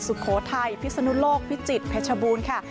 สุโขทัยพิศนุโลกพิจิตรเพชรบูรณ์ค่ะ